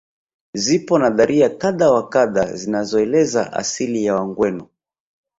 Zipo nadharia kadha wa kadha zinazoeleza asili ya wagweno